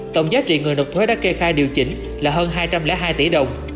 tổng giá trị người nộp thuế đã kê khai điều chỉnh là hơn hai trăm linh hai tỷ đồng